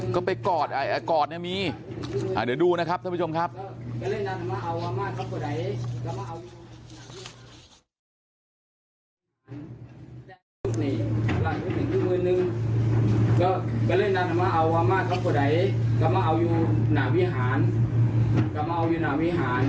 ก็ไปกอดกอดเนี่ยมีเดี๋ยวดูนะครับท่านผู้ชมครับ